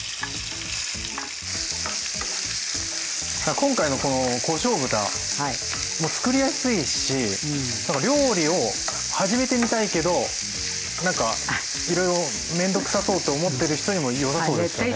今回のこのこしょう豚もつくりやすいし何か料理を始めてみたいけど何かいろいろ面倒くさそうって思ってる人にもよさそうですね。